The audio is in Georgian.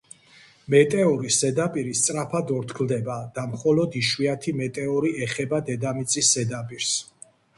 მეტეორის ზედაპირი სწრაფად ორთქლდება და მხოლოდ იშვიათი მეტეორი ეხება დედამიწის ზედაპირს.